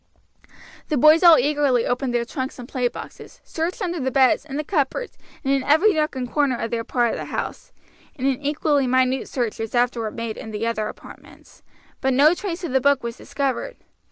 The boys all eagerly opened their trunks and play boxes, searched under the beds, in the cupboards, and in every nook and corner of their part of the house, and an equally minute search was afterward made in the other apartments; but no trace of the book was discovered.